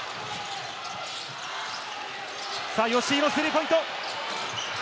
吉井のスリーポイント！